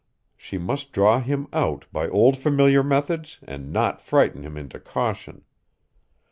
She must draw him out by old familiar methods and not frighten him into caution.